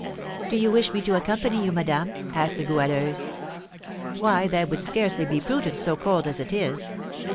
"Do you wish me to accompany you, madame?" asked the Goualeuse. "Why, that would scarcely be prudent, so cold as it is.